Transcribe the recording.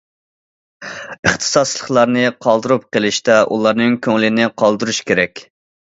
ئىختىساسلىقلارنى قالدۇرۇپ قېلىشتا ئۇلارنىڭ كۆڭلىنى قالدۇرۇش كېرەك.